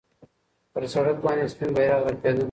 پر سړک باندې سپین بیرغ رپېده.